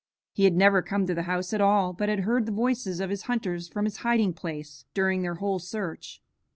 He had never come to the house at all, but had heard the voices of his hunters from his hiding place, during their whole search.